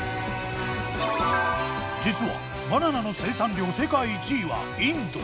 実はバナナの生産量世界１位はインド。